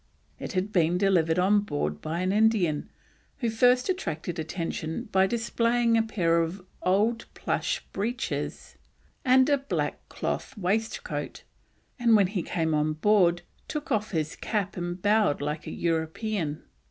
It had been delivered on board by an Indian, who first attracted attention by displaying a pair of old plush breeches and a black cloth waistcoat, and when he came on board, took off his cap and bowed like a European.